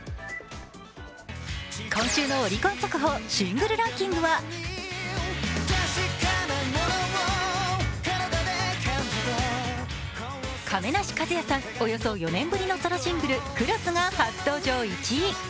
今週のオリコン速報シングルランキングは亀梨和也さん、およそ４年ぶりのソロシングル「Ｃｒｏｓｓ」が初登場１位。